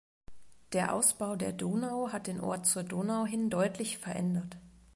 Der Ausbau der Donau hat den Ort zur Donau hin deutlich verändert.